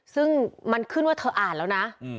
ซึ่งมันขึ้นว่าเธออ่านแล้วนะ